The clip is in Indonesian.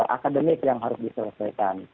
akademik yang harus diselesaikan